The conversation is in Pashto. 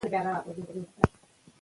که املا سمه وي نو مانا نه بدلیږي.